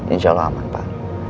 insya allah aman pak